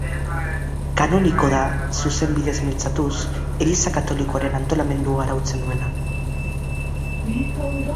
kanoniko, da zuzenbideaz mintzatuz, Eliza katolikoaren antolamendua arautzen duena.